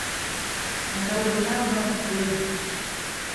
Kanda umulamba mukwenu.